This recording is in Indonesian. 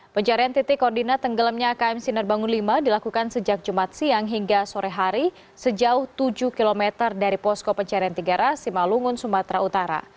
pencarian titik koordinat tenggelamnya km sinar bangun v dilakukan sejak jumat siang hingga sore hari sejauh tujuh km dari posko pencarian tiga ras simalungun sumatera utara